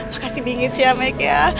makasih bingit sih ya mike ya